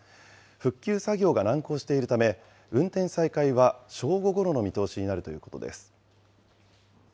復旧作業が難航しているため、運転再開は正午ごろの見通しになるということです。